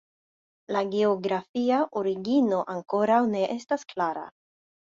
La geografia origino ankoraŭ ne estas klara.